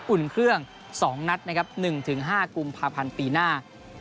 อุ่นเครื่อง๒นัดนะครับ๑๕กุมภาพันธ์ปีหน้า